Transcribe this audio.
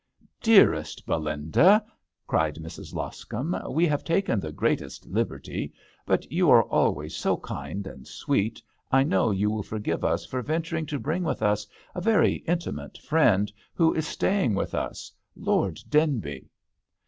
" Dearest Belinda," cried Mrs. Loscombe, " we have taken the greatest liberty; but you are always so kind and sweet, I know you will forgive us for ven turing to bring with us a very intimate friend, who is staying with us — Lord Denby."